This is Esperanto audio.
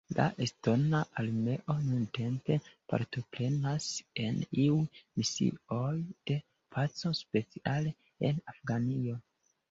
La Estona Armeo nuntempe partoprenas en iuj misioj de paco, speciale en Afganio.